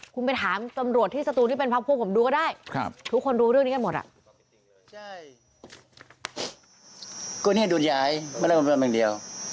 คุณไปถามตำรวจที่สตูนที่เป็นพักภูมิผมดูก็ได้